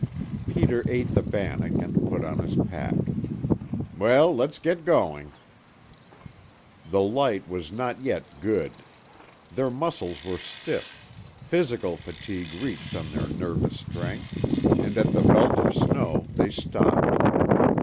Peter ate the bannock and put on his pack. "Well, let's get going!" The light was not yet good. Their muscles were stiff, physical fatigue reacted on their nervous strength, and at the belt of snow they stopped.